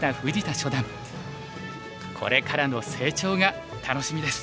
これからの成長が楽しみです。